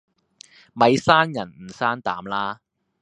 咪生人唔生膽啦